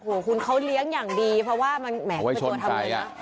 โอ้โหคุณเขาเลี้ยงอย่างดีเพราะว่ามันแหมเป็นตัวทำไงนะ